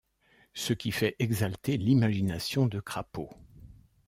Ce qui fait exalter l'imagination de Crapaud...